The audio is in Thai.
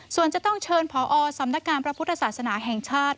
ส่วนจะต้องเชิญพอสำนักงานพระพุทธศาสนาแห่งชาติ